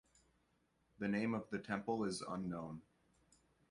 The name of the temple is unknown.